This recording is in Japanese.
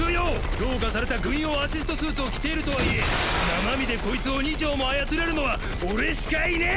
強化された軍用アシストスーツを着ているとはいえ生身でこいつを２丁も操れるのは俺しかいねえ！